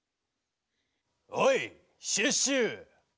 おいシュッシュ！